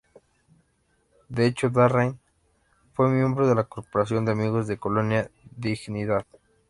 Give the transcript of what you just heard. De hecho, Larraín fue miembro de la Corporación de Amigos de Colonia Dignidad.